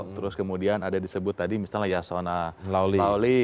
terus kemudian ada disebut tadi misalnya yasona lawli